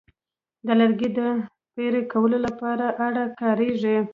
د لرګي د پرې کولو لپاره آره کاریږي.